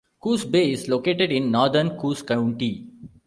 Coos Bay is located in northern Coos County.